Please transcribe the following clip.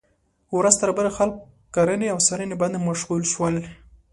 ورځ تر بلې خلک کرنې او څارنې باندې مشغول شول.